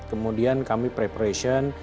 kemudian kami preparation